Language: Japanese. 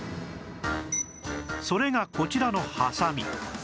それがこちらのハサミ